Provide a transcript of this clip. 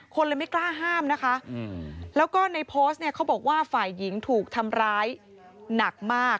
คนเลยไม่กล้าห้ามนะคะแล้วก็ในโพสต์เนี่ยเขาบอกว่าฝ่ายหญิงถูกทำร้ายหนักมาก